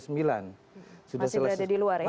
masih berada di luar ya